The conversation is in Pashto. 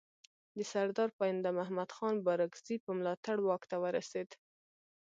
د سردار پاینده محمد خان بارکزي په ملاتړ واک ته ورسېد.